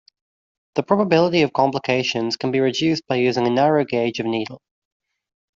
The probability of complications can be reduced by using a narrow gauge of needle.